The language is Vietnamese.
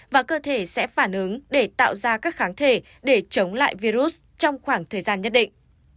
và cơ thể sẽ phản ứng để tạo ra các kháng thể để chống lại virus trong khoảng thời gian nhất định